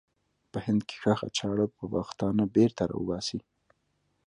په هند کې ښخه چاړه به پښتانه بېرته را وباسي.